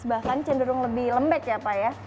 bahkan cenderung lebih lembek ya pak ya